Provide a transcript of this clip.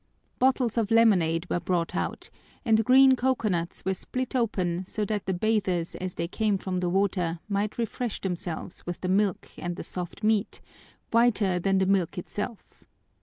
Bottles of lemonade were brought out and green coconuts were split open so that the bathers as they came from the water might refresh themselves with the milk and the soft meat, whiter than the milk itself.